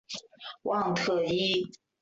旺特伊。